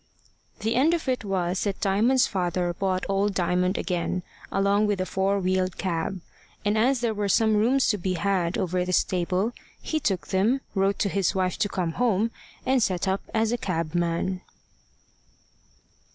The end of it was that Diamond's father bought old Diamond again, along with a four wheeled cab. And as there were some rooms to be had over the stable, he took them, wrote to his wife to come home, and set up as a cabman.